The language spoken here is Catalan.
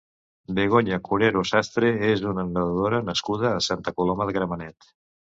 Begoña Curero Sastre és una nedadora nascuda a Santa Coloma de Gramenet.